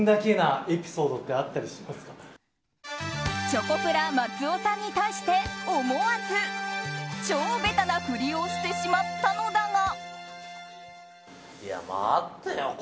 チョコプラ松尾さんに対して思わず超ベタな振りをしてしまったのだが。